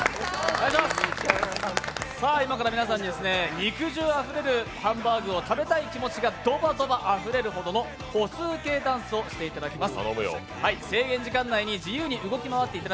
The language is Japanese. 今から皆さんに、肉汁あふれるハンバーグを食べたい気持ちがどばどばあふれるものの歩数計ダンスをしていただきます。